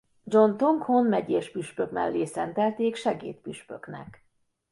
John Tong Hon megyéspüspök mellé szentelték segédpüspöknek.